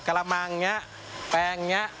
กระมังอย่างนี้แปลงอย่างนี้